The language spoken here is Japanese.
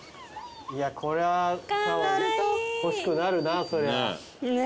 いやこれは欲しくなるな。